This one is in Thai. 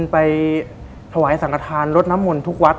ไปถวายสังกฐานรดน้ำมนต์ทุกวัด